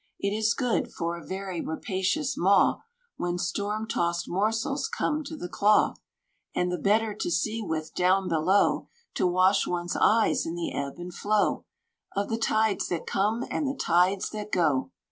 It is good, for a very rapacious maw, When storm tossed morsels come to the claw; And 'the better to see with' down below, To wash one's eyes in the ebb and flow Of the tides that come and the tides that go."